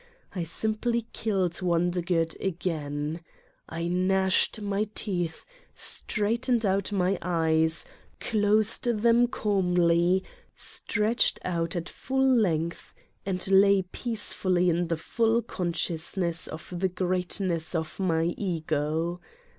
I simply killed Wondergood again. I gnashed my teeth, straight ened out my eyes, closed them calmly, stretched out at full length and lay peacefully in the full consciousness of the greatness of my Ego.